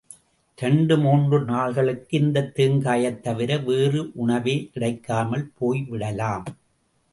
இரண்டு மூன்று நாள்களுக்கு இந்தத் தேங்காயைத் தவிர வேறு உணவே கிடைக்காமல் போய்விடலாம்.